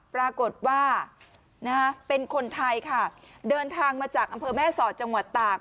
ปรากฏว่าเป็นคนไทยค่ะเดินทางมาจากอำเภอแม่สอดจังหวัดตาก